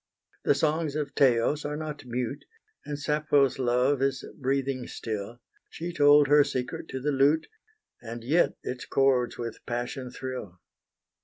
The songs of Teos are not mute, And Sappho's love is breathing still: She told her secret to the lute, And yet its chords with passion thrill.